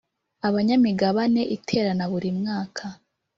Abanyamigabane iterana buri mwaka